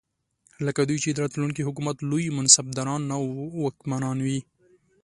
لکه دوی چې د راتلونکي حکومت لوی منصبداران او واکمنان وي.